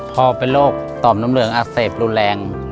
พอเป็นโรคต่อมน้ำเหลืองอักเสบรุนแรง